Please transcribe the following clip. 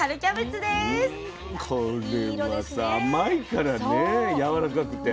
これはさ甘いからねやわらかくて。